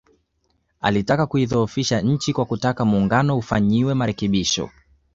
Alitaka kuidhoofisha nchi kwa kutaka Muungano ufanyiwe marekebisho